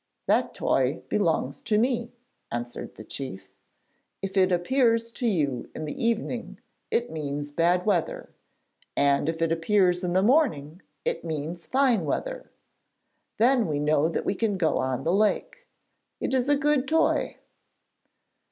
'That toy belongs to me,' answered the chief. 'If it appears to you in the evening it means bad weather, and if it appears in the morning it means fine weather. Then we know that we can go out on the lake. It is a good toy.'